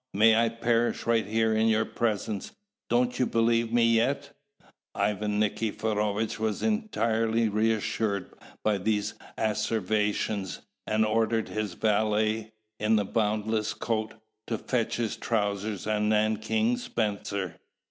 May I perish right here in your presence! Don't you believe me yet?" Ivan Nikiforovitch was entirely reassured by these asseverations, and ordered his valet, in the boundless coat, to fetch his trousers and nankeen spencer.